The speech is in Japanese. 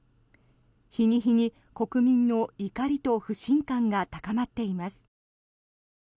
日に日に国民の怒りと不信感が高まっています。